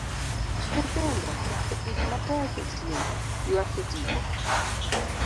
Nyithindo, jatich matek e chieng' ywak e tipo.